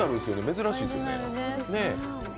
珍しいですよね。